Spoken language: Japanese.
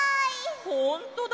ほんとだ！